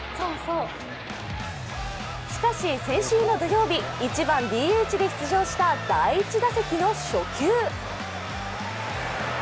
しかし先週の土曜日、１番ＤＨで出場した第１打球の初球。